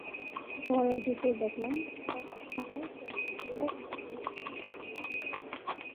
ঘরে ঢুকেই দেখলাম, পকেটখাতায় পেনসিল দিয়ে রোজনামচা লিখছেন তিনি।